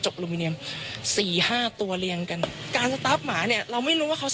คุณผู้ชมฟังเสียงคุณธนทัศน์เล่ากันหน่อยนะคะ